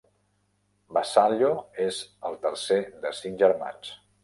Vassallo és el tercer de cinc germans.